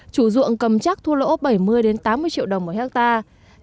chủ dụng cầm chắc thua lỗ bảy mươi tám mươi triệu đồng một hectare